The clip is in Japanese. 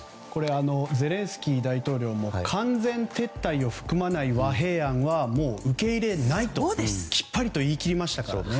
ゼレンスキー大統領も完全撤退を含まない和平案はもう受け入れないときっぱりと言い切りましたから。